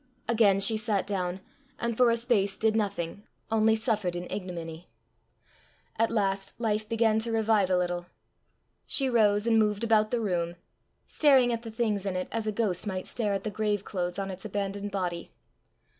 Again she sat down, and for a space did nothing, only suffered in ignominy. At last life began to revive a little. She rose and moved about the room, staring at the things in it as a ghost might stare at the grave clothes on its abandoned body.